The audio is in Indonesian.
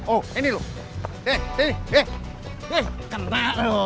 oh ini lu sini kena